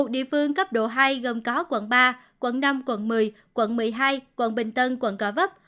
một mươi một địa phương cấp độ hai gồm có quận ba quận năm quận một mươi quận một mươi hai quận bình tân quận cỏ vấp